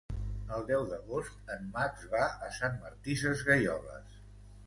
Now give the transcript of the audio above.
El deu d'agost en Max va a Sant Martí Sesgueioles.